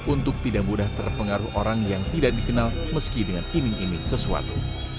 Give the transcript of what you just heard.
untuk tidak mudah terpengaruh orang yang tidak dikenal meski dengan iming iming sesuatu